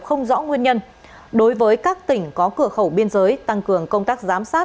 không rõ nguyên nhân đối với các tỉnh có cửa khẩu biên giới tăng cường công tác giám sát